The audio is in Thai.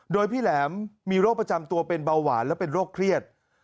โดยพี่แหลมมีโรคประจำตัวเป็นเบาหวานและเป็นโรคเครียด